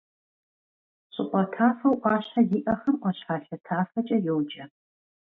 ЩӀыпӀэ тафэу Ӏуащхьэ зиӀэхэм — Ӏуащхьалъэ тафэкӀэ йоджэ.